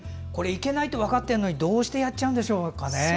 いけないと分かってるのにどうしてやっちゃうんでしょうか。